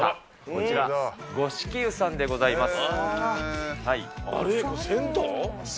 こちら、五色湯さんでございます。